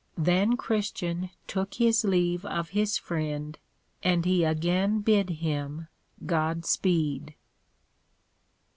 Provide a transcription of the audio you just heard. Then Christian took his leave of his Friend, and he again bid him God speed.